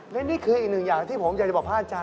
และนี่คืออีกหนึ่งอย่างที่ผมอยากจะบอกพระอาจาร